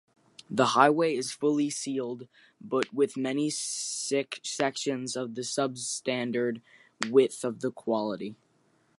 The highway is fully sealed but with many sections of substandard width and quality.